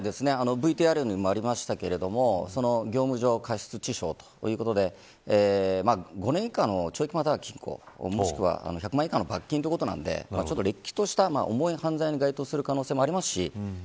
ＶＴＲにもありましたが業務上過失致傷ということで５年以下の懲役もしくは禁錮１００万円以下の罰金ということでれっきとした重い犯罪に該当する可能性もあります。